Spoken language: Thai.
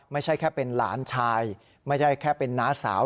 ไม่ใช่แค่เป็นหลานชายไม่ใช่แค่เป็นน้าสาว